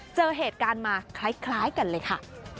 เจอเหตุการณ์มาคล้ายกันเลยค่ะ